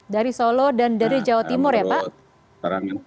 dari solo dan dari jawa timur ya pak